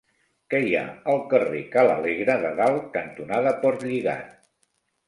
Què hi ha al carrer Ca l'Alegre de Dalt cantonada Portlligat?